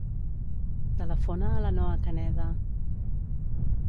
Telefona a la Noha Caneda.